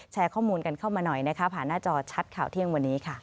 แชร์ข้อมูลกันเข้ามาหน่อยนะคะผ่านหน้าจอชัดข่าวเที่ยงวันนี้ค่ะ